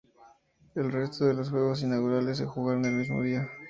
El resto de los juegos inaugurales se jugaron el mismo día.